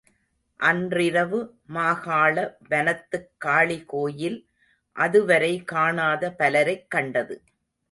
அன்றிரவு மாகாள வனத்துக் காளிகோயில் அதுவரை காணாத பலரைக் கண்டது.